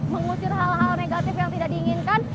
mengusir hal hal negatif yang tidak diinginkan